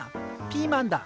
ピーマンだ。